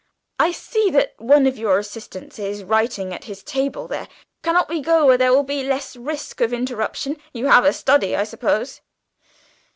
I see that one of your assistants is writing at his table there. Cannot we go where there will be less risk of interruption? You have a study, I suppose?"